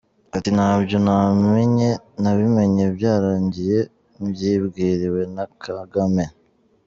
Ati ntabyo namenye nabimenye byarangiye mbyibwiriwe na Kagame!